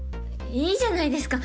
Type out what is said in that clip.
いいじゃないですか。